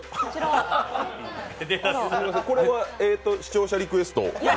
これは視聴者リクエスト？